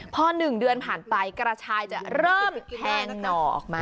พอ๑เดือนผ่านไปกระชายจะเริ่มแทงหน่อออกมา